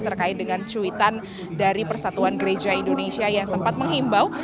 terkait dengan cuitan dari persatuan gereja indonesia yang sempat menghimbau